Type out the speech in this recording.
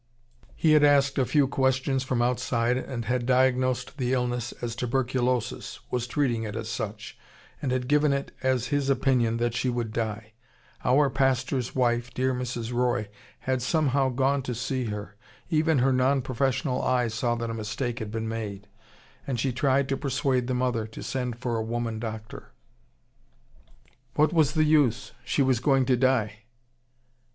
He had asked a few questions from outside and had diagnosed the illness as tuberculosis, was treating it as such, and had given it as his opinion that she would die. Our pastor's wife, dear Mrs. Roy, had somehow gone to see her. Even her non professional eye saw that a mistake had been made, and she tried to persuade the mother to send for a woman doctor. 'What was the use? She was doing to die.